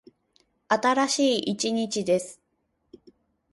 新しい一日です。